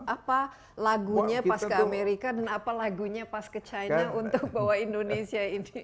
apa lagunya pas ke amerika dan apa lagunya pas ke china untuk bawa indonesia ini